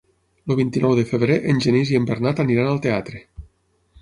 El vint-i-nou de febrer en Genís i en Bernat aniran al teatre.